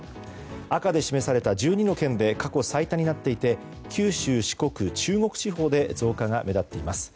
赤で示された１２の県で過去最多になっていて九州、四国、中国地方で増加が目立っています。